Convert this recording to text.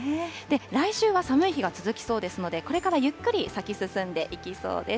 来週は寒い日が続きそうですので、これからゆっくり咲き進んでいきそうです。